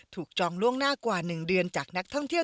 จองล่วงหน้ากว่า๑เดือนจากนักท่องเที่ยว